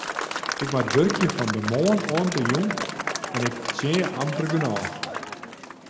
Ik moat wurkje fan de moarn oant de jûn en ik fertsjinje amper genôch.